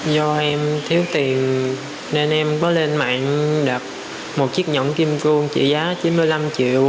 do em thiếu tiền nên em có lên mạng đập một chiếc nhẫn kim cương trị giá chín mươi năm triệu